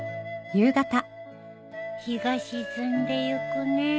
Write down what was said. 日が沈んでゆくね。